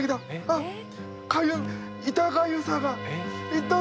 あっかゆい痛がゆさが！